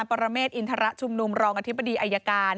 ปรเมฆอินทรชุมนุมรองอธิบดีอายการ